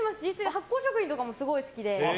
発酵食品とかもすごい好きで。